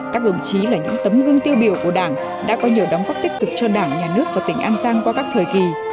các đồng chí là những tấm gương tiêu biểu của đảng đã có nhiều đóng góp tích cực cho đảng nhà nước và tỉnh an giang qua các thời kỳ